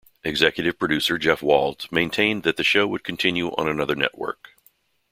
Executive producer Jeff Wald maintained that the show would continue on another network.